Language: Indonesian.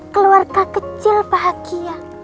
keluarga kecil bahagia